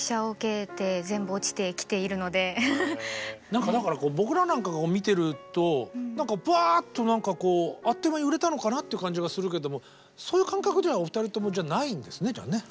何かだから僕らなんかが見てるとぱっと何かこうあっという間に売れたのかなっていう感じがするけどそういう感覚ではお二人ともないんですねじゃあね。